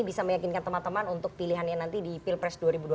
bisa meyakinkan teman teman untuk pilihannya nanti di pilpres dua ribu dua puluh